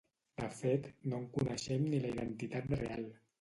De fet, no en coneixem ni la identitat real.